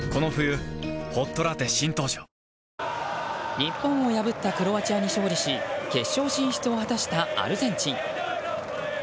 日本を破ったクロアチアに勝利し決勝進出を果たしたアルゼンチン。